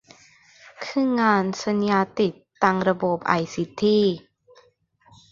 คืองานสัญญาติดตั้งระบบไอซีที